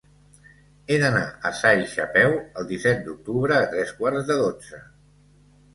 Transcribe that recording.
He d'anar a Saix a peu el disset d'octubre a tres quarts de dotze.